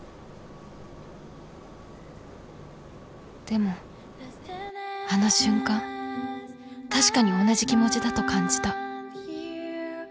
でもあの瞬間確かに同じ気持ちだと感じた